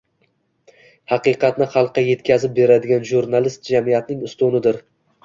Haqiqatni xalqqa yetyazib beradigan jurnalist jamiyatning ustunidir